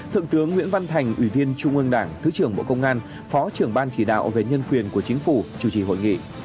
thượng tướng nguyễn văn thành ủy viên trung ương đảng thứ trưởng bộ công an phó trưởng ban chỉ đạo về nhân quyền của chính phủ chủ trì hội nghị